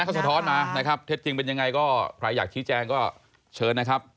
เขาสะท้อนมานะครับเท็จจริงเป็นยังไงก็ใครอยากชี้แจงก็เชิญนะครับ